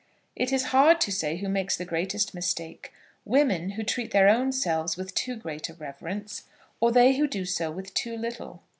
It is hard to say who makes the greatest mistakes, women who treat their own selves with too great a reverence, or they who do so with too little.